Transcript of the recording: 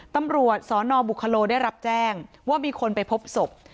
ตำรวจสนบุคโลได้รับแจ้งว่ามีคนไปพบศพ